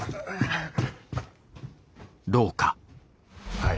はい。